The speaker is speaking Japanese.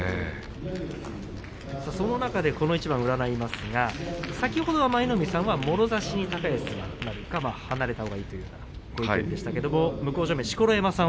その中で、この一番を占いますが先ほど、舞の海さんはもろ差しで高安が離れてという話でしたが向正面錣山さん